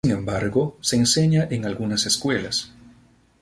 Sin embargo se enseña en algunas escuelas.